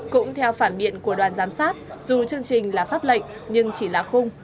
cũng theo phản biện của đoàn giám sát dù chương trình là pháp lệnh nhưng chỉ là khung